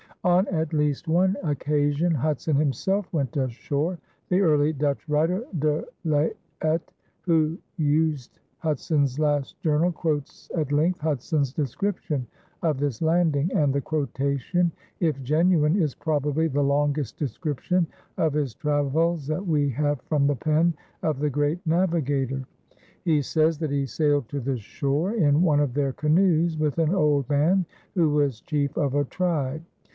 On at least one occasion Hudson himself went ashore. The early Dutch writer, De Laet, who used Hudson's last journal, quotes at length Hudson's description of this landing, and the quotation, if genuine, is probably the longest description of his travels that we have from the pen of the great navigator. He says that he sailed to the shore in one of their canoes, with an old man who was chief of a tribe.